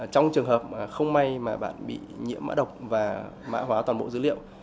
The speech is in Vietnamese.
trong trường hợp không may mà bạn bị nhiễm mã độc và mã hóa toàn bộ dữ liệu